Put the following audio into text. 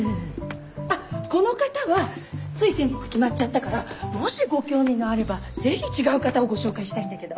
あっこの方はつい先日決まっちゃったからもしご興味があればぜひ違う方をご紹介したいんだけど。